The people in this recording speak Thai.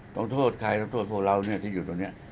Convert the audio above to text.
ต้องโทษใครต้องโทษพวกเราที่อยู่ตรงนี้